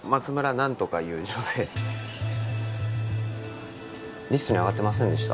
何とかいう女性リストにあがってませんでした？